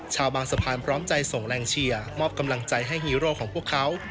ชาวบางสะพานพร้อมใจส่งแรงเชียร์มอบกำลังใจให้ฮีโร่ของพวกเขา